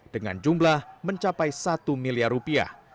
dengan jumlah mencapai satu miliar rupiah